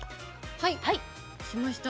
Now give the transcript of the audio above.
はい押しました。